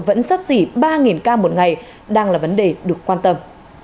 vẫn sắp xỉ ba ca một ngày đang là vấn đề được quan tâm